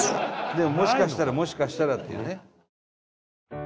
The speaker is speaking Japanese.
でももしかしたらもしかしたらっていうね。